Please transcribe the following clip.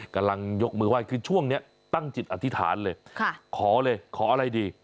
กำลังยกมือไหว้คือช่วงนี้ตั้งจิตอธิษฐานเลยขอเลยขออะไรดี